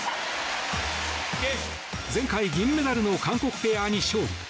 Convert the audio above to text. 前回、銀メダルの韓国ペアに勝利。